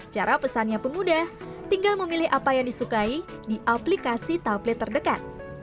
cara pesannya pun mudah tinggal memilih apa yang disukai di aplikasi tablet terdekat